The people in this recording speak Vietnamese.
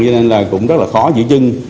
cho nên là cũng rất là khó giữ chân